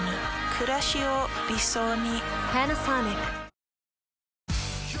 くらしを理想に。